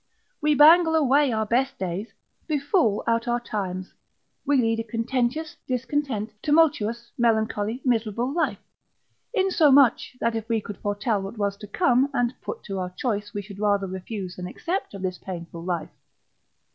we bangle away our best days, befool out our times, we lead a contentious, discontent, tumultuous, melancholy, miserable life; insomuch, that if we could foretell what was to come, and it put to our choice, we should rather refuse than accept of this painful life.